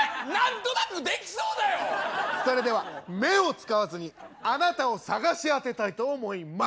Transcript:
それでは目を使わずにあなたを捜し当てたいと思います！